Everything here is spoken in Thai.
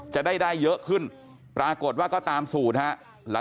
จะได้ได้เยอะขึ้นปรากฏว่าก็ตามสูตรฮะ